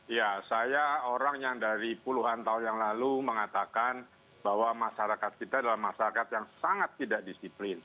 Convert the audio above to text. ya saya orang yang dari puluhan tahun yang lalu mengatakan bahwa masyarakat kita adalah masyarakat yang sangat tidak disiplin